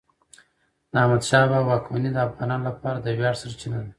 د احمدشاه بابا واکمني د افغانانو لپاره د ویاړ سرچینه ده.